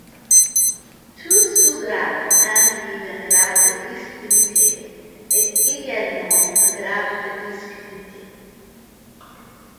Tout sous-graphe induit d'un graphe de disque-unité est également un graphe de disque-unité.